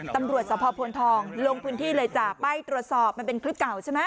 ตำรวจสภพลทองลงพื้นที่เลยจ้ะไปตรวจสอบมันเป็นคลิปเก่าใช่ไหม